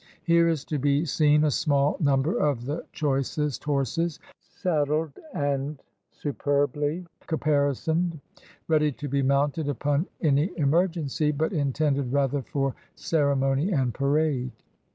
Here is to be seen a small num ber of the choicest horses, saddled and superbly capar isoned, ready to be mounted upon any emergency, but intended rather for ceremony and parade.